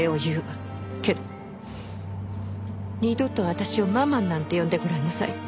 けど二度と私を「ママン」なんて呼んでごらんなさい。